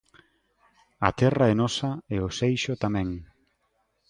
A terra é nosa e o seixo tamén!